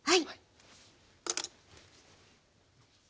はい。